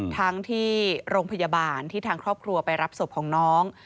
ทั้งที่โรงพยาบาลที่ทางครอบครัวไปรับศพของน้อง